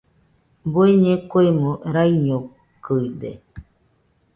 Bueñe kuemo raiñokɨide